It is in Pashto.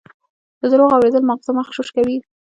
د دروغو اورېدل ماغزه مغشوش کوي.